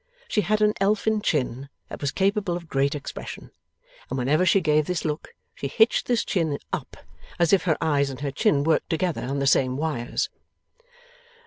She had an elfin chin that was capable of great expression; and whenever she gave this look, she hitched this chin up. As if her eyes and her chin worked together on the same wires.